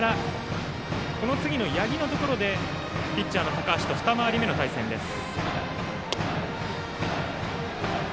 この次の八木のところでピッチャーの高橋と二回り目の対戦です。